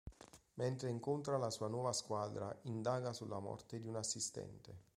Mentre incontra la sua nuova squadra, indaga sulla morte di un assistente.